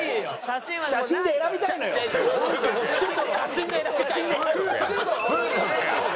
写真で選びたい風俗。